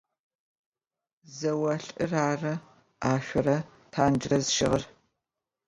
Зэолӏыр ары ашъорэ танджрэ зыщыгъыр.